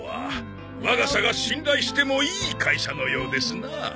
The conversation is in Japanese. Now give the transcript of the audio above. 我が社が信頼してもいい会社のようですな。